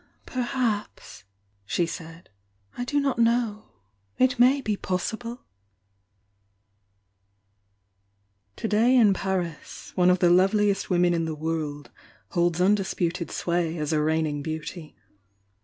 "Perhaps! " she said — "I do not know — it may be possible 1" t ..ii To day in Paris one of the loveliest women in the world holds undisputed sway as a reigning beauty.